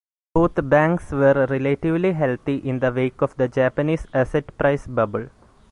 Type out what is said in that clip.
Both banks were relatively healthy in the wake of the Japanese asset price bubble.